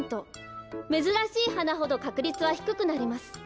めずらしいはなほどかくりつはひくくなります。